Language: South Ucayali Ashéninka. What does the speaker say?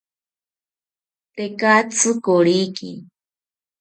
Tekatzi koriki